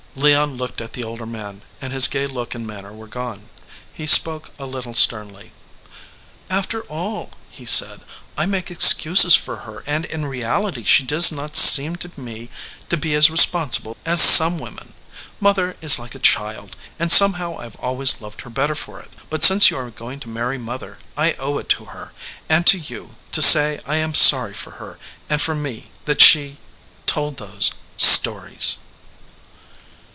Leon looked at the older man, and his gay look and manner were gone. He spoke a little sternly. "After all," he said, "I make excuses for her, and in reality she does not seem to me to be as respon sible as some women. Mother is like a child, and somehow I ve always loved her better for it ; but, since you are going to marry mother, I owe it to her, and to you, to say I am sorry for her and for me that she told those stories."